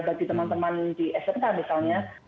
bagi teman teman di smk misalnya